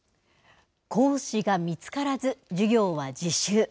講師が見つからず授業は自習。